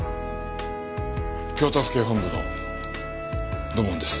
京都府警本部の土門です。